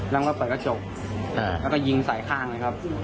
แล้วก็เปิดกระจกแล้วก็ยิงสายข้างเลยครับ